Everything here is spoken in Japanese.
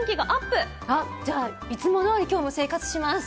じゃあいつも通り今日も生活します。